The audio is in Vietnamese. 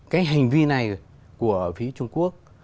cái hành vi này của phía trung quốc